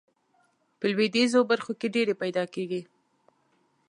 په لویدیځو برخو کې ډیرې پیداکیږي.